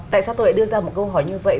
tại sao tôi lại đưa ra một câu hỏi như vậy